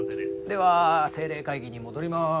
では定例会議に戻ります。